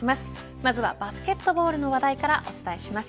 まずはバスケットボールの話題からお伝えします。